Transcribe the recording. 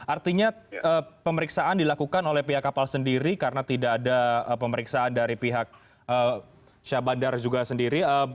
artinya pemeriksaan dilakukan oleh pihak kapal sendiri karena tidak ada pemeriksaan dari pihak syah bandar juga sendiri